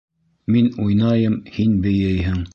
Мин уйнайым, һин бейейһең.